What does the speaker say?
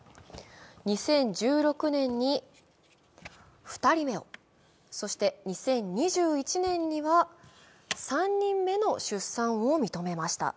２０１６年に２人目をそして２０２１年には３人目の出産を認めました。